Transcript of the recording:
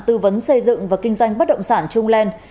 tư vấn xây dựng và kinh doanh bất động sản trung lan